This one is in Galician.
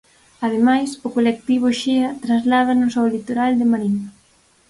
Ademais, o colectivo Xea trasládanos ao litoral de Marín.